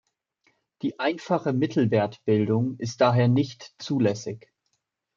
Die einfache Mittelwertbildung ist daher nicht zulässig.